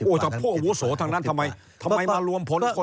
โอ้ยแต่พ่อวุโศกทั้งนั้นทำไมมารวมพ้นคน